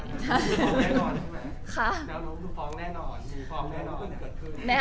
แนวโน้มคือฟองแน่นอน